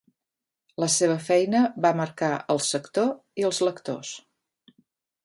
La seva feina va marcar el sector i els lectors.